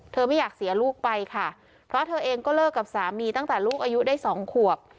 ไม่อยากเสียลูกไปค่ะเพราะเธอเองก็เลิกกับสามีตั้งแต่ลูกอายุได้สองขวบ